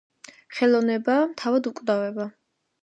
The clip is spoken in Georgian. ხელოვნებაა თავად უკვდავება,